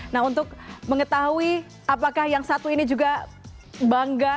nah untuk mengetahui apakah yang satu ini juga bangga